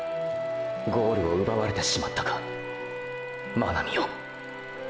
ゴールを奪われてしまったか真波よ――